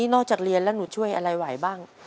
เรียนแล้วหนูช่วยอะไรไหวบ้าง